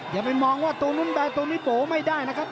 อย่าไปมองว่าตัวนุ้นแบนตัวนุ้ยโปไม่ได้นะครับ